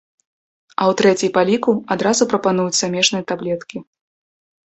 А ў трэцяй па ліку адразу прапануюць замежныя таблеткі.